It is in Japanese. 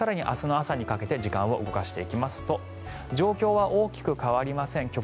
更に明日の朝にかけて時間を動かしていきますと状況は大きく変わりません。